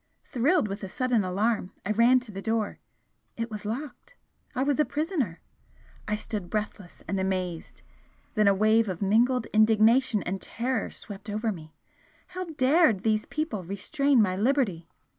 Thrilled with a sudden alarm, I ran to the door it was locked! I was a prisoner! I stood breathless and amazed; then a wave of mingled indignation and terror swept over me. How dared these people restrain my liberty?